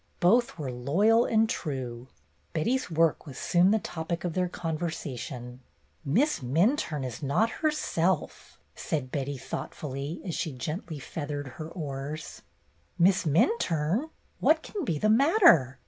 Both were loyal and true. Betty's work was soon the topic of their conversation. ''Miss Minturne is not herself," said Betty, thoughtfully, as she gently feathered her oars. " Miss Minturne ! What can be the matter